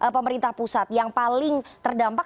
pemerintah pusat yang paling terdampak